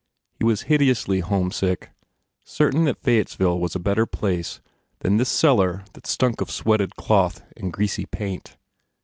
He was hideously homesick, certain that Fayettesville was a better place than this cellar that stunk of sweated cloth and greasy paint.